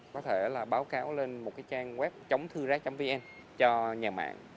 có thể là báo cáo lên một cái trang web chóngthưrác vn cho nhà mạng